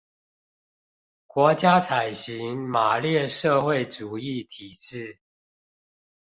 國家採行馬列社會主義體制